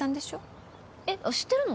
えっあっ知ってるの？